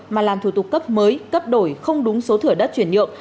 mà làm thủ tục cấp mới cấp đổi không đúng số thửa đất chuyển nhượng